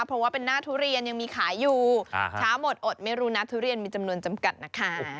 เพราะว่าเป็นหน้าทุเรียนยังมีขายอยู่เช้าหมดอดไม่รู้นะทุเรียนมีจำนวนจำกัดนะคะ